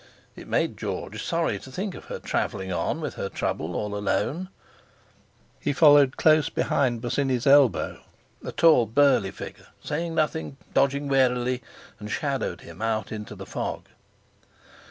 It made George sorry to think of her travelling on with her trouble all alone. He followed close behind Bosinney's elbow—tall, burly figure, saying nothing, dodging warily—and shadowed him out into the fog.